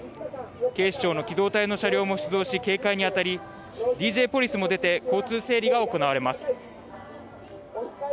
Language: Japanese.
警視庁の機動隊の車両も出動し警戒に当たり、ＤＪポリスも出て交通整理が行われます。